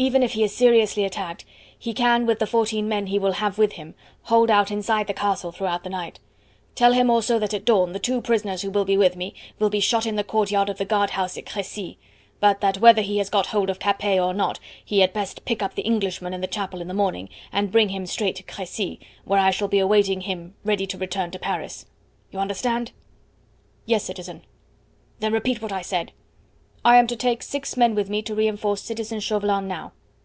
Even if he is seriously attacked, he can, with fourteen men he will have with him, hold out inside the castle through the night. Tell him also that at dawn two prisoners who will be with me will be shot in the courtyard of the guard house at Crecy, but that whether he has got hold of Capet or not he had best pick up the Englishman in the chapel in the morning and bring him straight to Crecy, where I shall be awaiting him ready to return to Paris. You understand?" "Yes, citizen." "Then repeat what I said." "I am to take six men with me to reinforce citizen Chauvelin now."